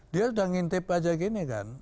dia udah ngintip aja gini kan